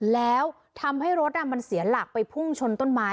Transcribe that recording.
แล้วทำให้รถมันเสียหลักไปพุ่งชนต้นไม้